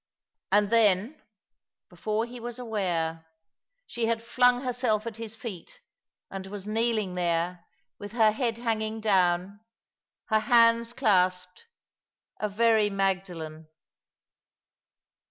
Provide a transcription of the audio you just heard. And then, before he was aware, she had flung herself at his feet, and was kneeling there, with her head hanging down, her hands clasped — a very Magdalen.